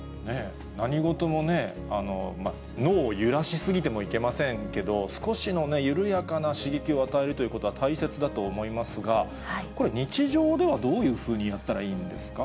何事もね、脳を揺らし過ぎてもいけませんけど、少しの緩やかな刺激を与えるということは、大切だと思いますが、これ、日常ではどういうふうにやったらいいんですか？